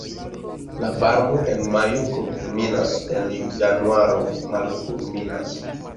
La varmo en majo kulminas, en januaro malkulminas.